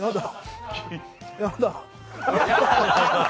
やだ。